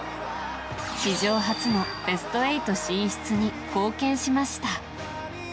史上初のベスト８進出に貢献しました。